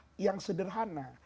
dari kisah yang sederhana